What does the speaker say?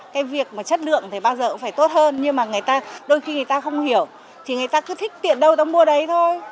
cái việc mà chất lượng thì bao giờ cũng phải tốt hơn nhưng mà người ta đôi khi người ta không hiểu thì người ta cứ thích tiện đâu ta mua đấy thôi